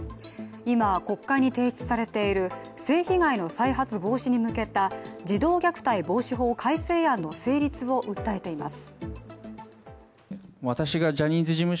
今、国会に提出されている性被害の再発防止に向けた児童虐待防止法改正案の成立を訴えています。